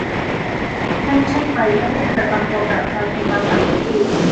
ไม่ใช่ไปได้เลขประจำตัวประชาชนมาจากที่อื่น